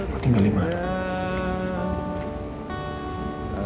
mau tinggal di mana